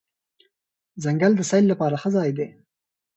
ځنګل د سیل لپاره ښه ځای دی.